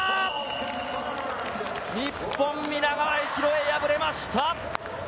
日本、皆川博恵敗れました！